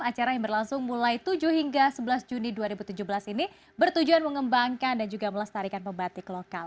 acara yang berlangsung mulai tujuh hingga sebelas juni dua ribu tujuh belas ini bertujuan mengembangkan dan juga melestarikan pembatik lokal